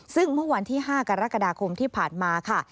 ซึ่งเมื่อวันที่๕กรกฎาคมที่ผ่านมาค่ะ